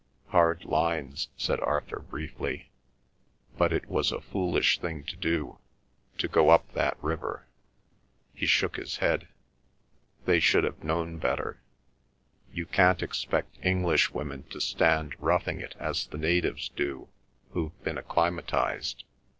"Hard lines," said Arthur briefly. "But it was a foolish thing to do—to go up that river." He shook his head. "They should have known better. You can't expect Englishwomen to stand roughing it as the natives do who've been acclimatised.